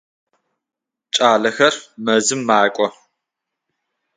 Кӏалэр мэзым макӏо.